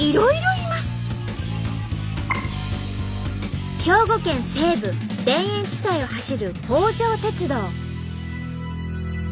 最後は兵庫県西部田園地帯を走る北条鉄道。